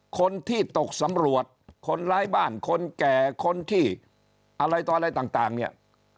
คนที่ตกสำรวจคนร้ายบ้านคนแก่คนที่อะไรต่ออะไรต่างเนี่ย